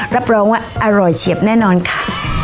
รับรองว่าอร่อยเฉียบแน่นอนค่ะ